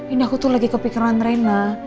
ini aku tuh lagi kepikiran rena